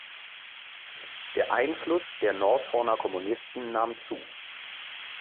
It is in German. Der Einfluss der Nordhorner Kommunisten nahm zu.